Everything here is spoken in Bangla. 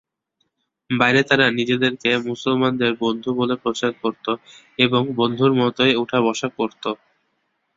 বাইরে তারা নিজেদেরকে মুসলমানদের বন্ধু বলে প্রচার করত এবং বন্ধুর মতই উঠা-বসা করত।